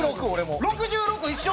１６６一緒！